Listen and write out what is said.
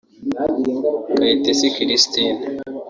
Kayitesi Christine